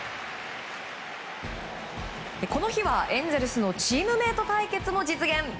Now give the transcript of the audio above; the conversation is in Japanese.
この日はエンゼルスのチームメート対決も実現。